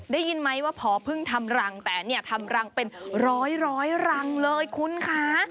ได้ยินไหมว่าพอพึ่งทำรังแต่เนี่ยทำรังเป็นร้อยรังเลยคุณคะ